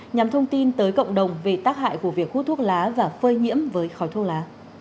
nhằm thông tin tới cộng đồng về tác hại của việc hút thuốc lá và phơi nhiễm với khói thuốc lá